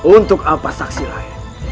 untuk apa saksi lain